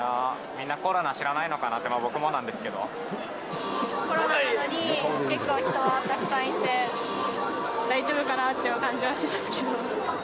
みんなコロナ知らないのかなって、コロナなのに、結構人はたくさんいて、大丈夫かなっていう感じはしますけど。